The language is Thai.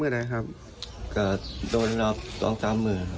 เสพสองสามเมื่อ